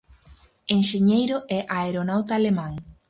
Enxeñeiro e aeronauta alemán.